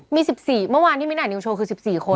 มี๑๔เมื่อวานที่มิ้นอ่านนิวโชว์คือ๑๔คน